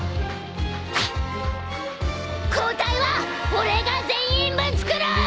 抗体は俺が全員分作る！